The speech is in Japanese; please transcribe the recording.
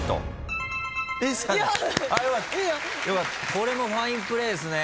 これもファインプレーっすね。